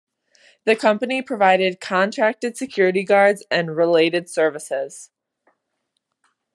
The company provided contracted security guards and related services.